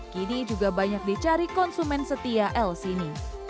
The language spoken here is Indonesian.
kini juga banyak dicari konsumen setia elsini